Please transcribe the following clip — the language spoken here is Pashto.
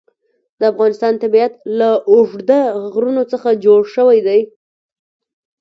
د افغانستان طبیعت له اوږده غرونه څخه جوړ شوی دی.